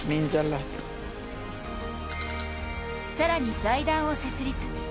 更に財団を設立